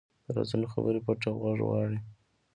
د رازونو خبرې پټه غوږ غواړي